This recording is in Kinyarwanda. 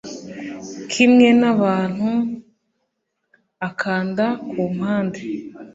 kimwe nabantu akanda kumpande